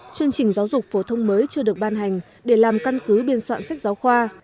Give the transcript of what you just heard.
chương trình giáo dục phổ thông mới chưa được ban hành để làm căn cứ biên soạn sách giáo khoa